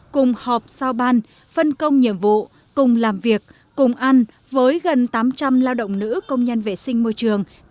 cùng họp sau ban phân công nhiệm vụ cùng làm việc cùng ăn với gần tám trăm linh lao động nữ công nhân vệ sinh môi trường